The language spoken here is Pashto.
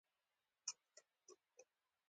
په بغلان کې د رسنیو او خپرونو کموالی يوه ستونزه ده